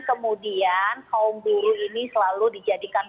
kemudian kaum buruh ini selalu dijadikan